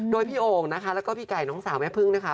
โดยพี่โองและก็พี่ไก่น้องสาวแม่พึ่งนะค่ะ